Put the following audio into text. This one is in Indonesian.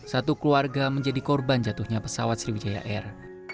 satu keluarga menjadi korban jatuhnya pesawat sriwijaya air